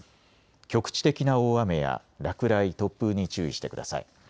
局地的な大雨や落雷、突風に注意してください。